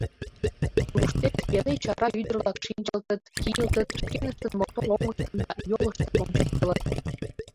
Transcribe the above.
Туштет пеле чара ӱдыр-влак шинчылтыт, кийылтыт, шкеныштын мотор оҥыштым да йолыштым ончыктылыт.